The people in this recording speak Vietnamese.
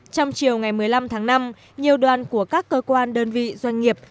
trong chiều ngày một mươi năm tháng năm nhiều đoàn của các cơ quan đơn vị doanh nghiệp